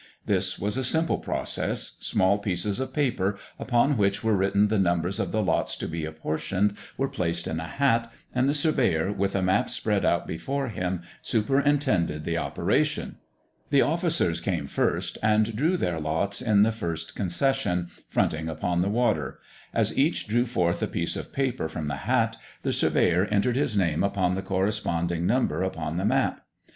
This was a simple process. Small pieces of paper, upon which were written the numbers of the lots to be apportioned, were placed in a hat, and the surveyor, with a map spread out before him, superintended the operation. The officers came first, and drew their lots in the first concession, fronting upon the water. As each drew forth a piece of paper from the hat, the surveyor entered his name upon the corresponding number upon the map.